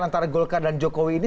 antara golkar dan jokowi ini